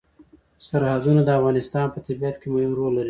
سرحدونه د افغانستان په طبیعت کې مهم رول لري.